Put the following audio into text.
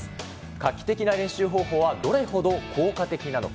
画期的な練習方法はどれほど効果的なのか。